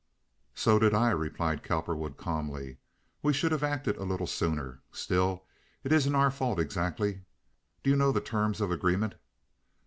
"So did I," replied Cowperwood, calmly. "We should have acted a little sooner. Still, it isn't our fault exactly. Do you know the terms of agreement?"